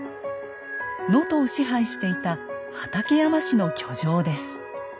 能登を支配していた畠山氏の居城です。